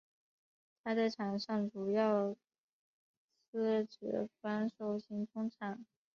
他在场上主要司职防守型中场。